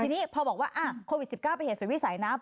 ทีนี้พอบอกว่าโควิด๑๙เป็นเหตุสุดวิสัยนะ